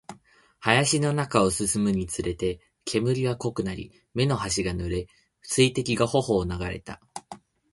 林の中を進むにつれて、煙は濃くなり、目の端が濡れ、水滴が頬を流れた